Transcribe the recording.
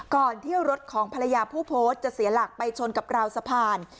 ก่อนที่รถของภรรยาผู้โพสต์จะเสียหลักไปชนกับราวสะพาน